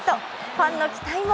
ファンの期待も、